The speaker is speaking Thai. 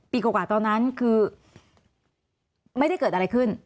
ปีกว่าตอนนั้นคือไม่ได้เกิดอะไรขึ้น